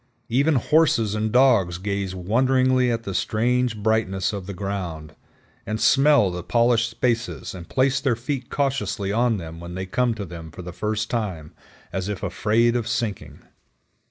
Even horses and dogs gaze wonderingly at the strange brightness of the ground, and smell the polished spaces and place their feet cautiously on them when they come to them for the first time, as if afraid of sinking.